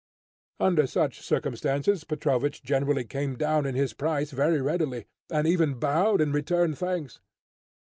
Under such circumstances Petrovich generally came down in his price very readily, and even bowed and returned thanks.